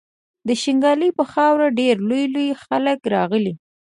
د شانګلې پۀ خاوره ډېر لوئ لوئ خلق راغلي